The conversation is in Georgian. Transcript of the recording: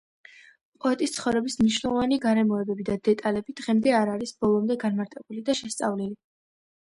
პოეტის ცხოვრების მნიშვნელოვანი გარემოებები და დეტალები დღემდე არ არის ბოლომდე განმარტებული და შესწავლილი.